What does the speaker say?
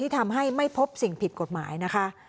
ทำให้ไม่พบสิ่งผิดกฎหมายนะคะ